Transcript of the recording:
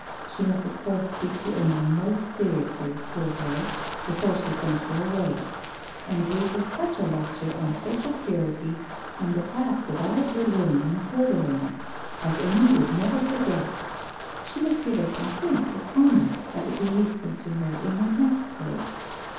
She must of course speak to Amy most seriously, poor girl, before she sent her away; and read her such a lecture on social purity and the task of all good women in furthering it, as Amy would never forget. She must give her some hints of conduct that would be useful to her in her next place.